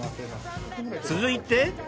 続いて。